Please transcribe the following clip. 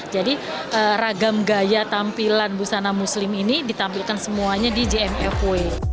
jadi ragam gaya tampilan busana muslim ini ditampilkan semuanya di jem fb